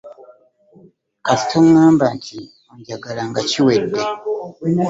Kasita oŋŋamba nti onjagala nga kiwedde.